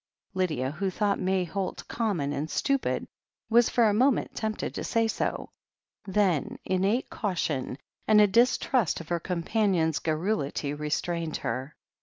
Lydia, who thought May Holt common and stupid, was for a moment tempted to say so. Then, innate cau tion and a distrust of her companion's garrulity re strained her.